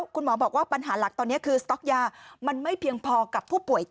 ครับ